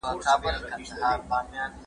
ایا پېښې هغسي وړاندي کیږي څنګه چي واقع سوي دي؟